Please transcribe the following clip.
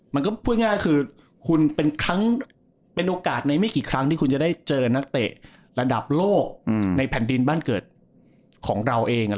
มันก็พูดง่ายคือคุณเป็นครั้งเป็นโอกาสในไม่กี่ครั้งที่คุณจะได้เจอนักเตะระดับโลกในแผ่นดินบ้านเกิดของเราเอง